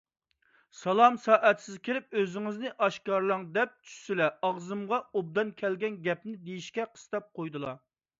سالام سائەتسىز كىرىپ «ئۆزىڭىزنى ئاشكارىلاڭ» دەپ چۈشسىلە ئاغزىمغا ئوبدان كەلگەن گەپنى دېيىشكە قىستاپ قويىدىلا.